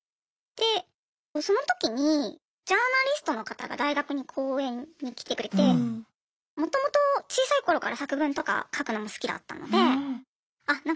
でその時にジャーナリストの方が大学に講演に来てくれてもともと小さい頃から作文とか書くのも好きだったのであ